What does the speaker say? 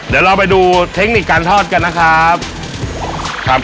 เดี๋ยวเราไปดูเทคนิคการทอดกันนะครับครับ